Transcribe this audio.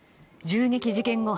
銃撃事件後